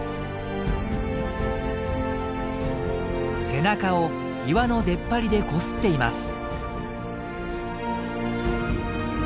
背中を岩の出っ張りでこすっています。